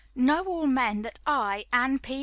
"Know all men that I, Anne P.